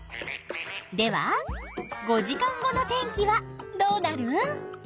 では５時間後の天気はどうなる？